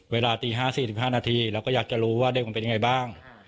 เวลาตีห้าสี่สิบห้านาทีเราก็อยากจะรู้ว่าเด็กมันเป็นไงบ้าง